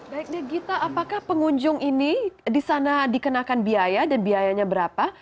baiknya gita apakah pengunjung ini di sana dikenakan biaya dan biayanya berapa